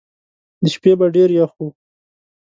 د شپې به ډېر یخ وو.